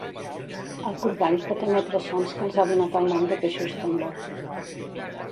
El Corball pot emetre sons que els ha donat el nom de peixos tambor